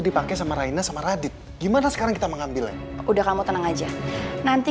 dipakai sama raina sama radit gimana sekarang kita mengambilnya udah kamu tenang aja nanti